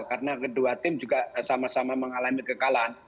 karena kedua tim juga sama sama mengalami kekalan